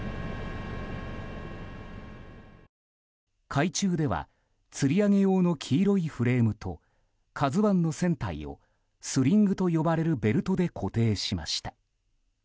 海中ではつり上げ用の黄色いフレームと「ＫＡＺＵ１」の船体をスリングと呼ばれるベルトで固定しました。